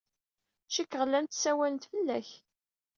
Cikkeɣ llant ssawalent fell-ak.